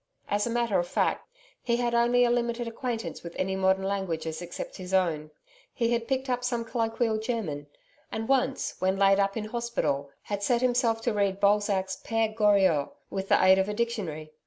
As a matter of fact, he had only a limited acquaintance with any modern languages except his own. He had picked up some colloquial German, and once when laid up in hospital, had set himself to read Balzac's PERE GORIOT with the aid of a dictionary.